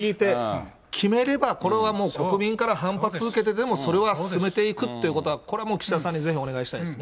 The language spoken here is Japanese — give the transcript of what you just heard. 決めるまではものすごい話を聞いて、決めればこれはもう、国民から反発受けてでも、それは進めていくっていうことは、これはもう岸田さんにぜひお願いしたいですね。